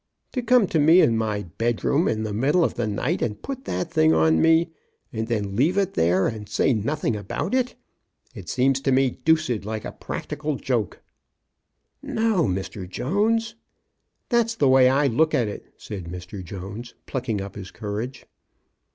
To come to me in my bedroom in the middle of the night and put that thing on me, and then leave it there and say nothing about it! It seems to me deuced like a practical joke." MRS. BROWN DOES ESCAPE. 59 " No, Mr. Jones." '* That's the way I look at it," said Mr. Jones, plucking up his courage.